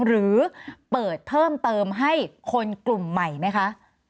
หรือเปิดเพิ่มเติมให้คนกลุ่มใหม่ไหมคะ